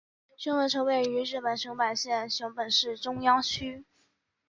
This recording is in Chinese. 熊本城位于日本熊本县熊本市中央区。